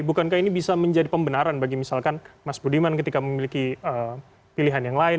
bukankah ini bisa menjadi pembenaran bagi misalkan mas budiman ketika memiliki pilihan yang lain